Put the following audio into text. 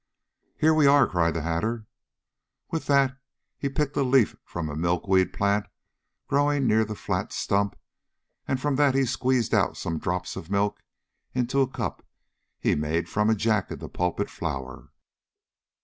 "Here we are!" cried the Hatter. With that he picked a leaf from a milkweed plant growing near the flat stump and from that he squeezed out some drops of milk into a cup he made from a Jack in the pulpit flower.